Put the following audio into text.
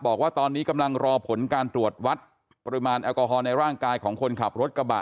บอกว่าตอนนี้กำลังรอผลการตรวจวัดปริมาณแอลกอฮอลในร่างกายของคนขับรถกระบะ